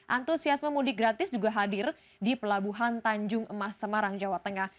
antusiasme mudik gratis juga hadir di pelabuhan tanjung emas semarang jawa tengah